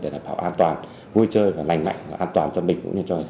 để đảm bảo an toàn vui chơi và lành mạnh an toàn cho mình